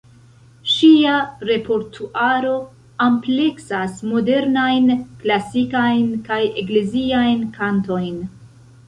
Ŝia repertuaro ampleksas modernajn, klasikajn kaj ekleziajn kantojn.